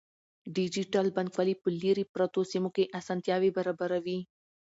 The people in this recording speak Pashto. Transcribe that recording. ډیجیټل بانکوالي په لیرې پرتو سیمو کې اسانتیاوې برابروي.